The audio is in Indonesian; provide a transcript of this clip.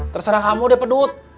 terserah kamu deh pedut